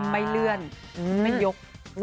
ไม่เลื่อนไม่ยก